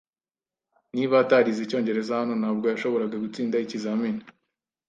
Niba atarize icyongereza hano, ntabwo yashoboraga gutsinda ikizamini.